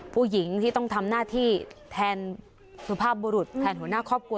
ผู้หญิงที่ต้องทำหน้าที่แทนสุภาพบุรุษแทนหัวหน้าครอบครัว